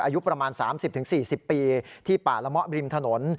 อายุประมาณ๓๐๔๐ปีที่ป่าละมะริมถนน